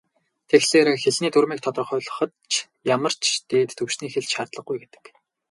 Тэгэхээр, хэлний дүрмийг тодорхойлоход ямар ч "дээд түвшний хэл" шаардлагагүй гэдэг.